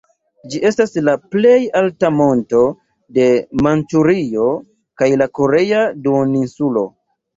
Ĝi estas la plej alta monto de Manĉurio kaj la Korea duoninsulo.